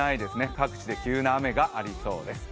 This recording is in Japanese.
各地で急な雨がありそうです。